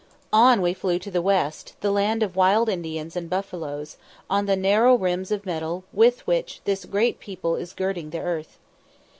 On we flew to the West, the land of Wild Indians and buffaloes, on the narrow rims of metal with which this "great people" is girdling the earth.